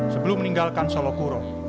sebelum meninggalkan solokuro